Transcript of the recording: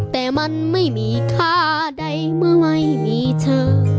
แต่มันไม่มีค่าใดเมื่อไม่มีเธอ